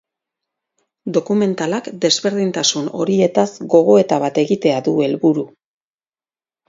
Dokumentalak desberdintasun horietaz gogoeta bat egitea du helburu.